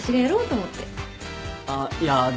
あっいやでも。